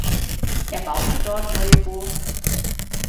Er baute dort neue Burgen.